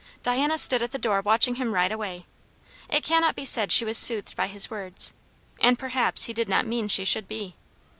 Diana stood at the door watching him ride away. It cannot be said she was soothed by his words, and perhaps he did not mean she should be.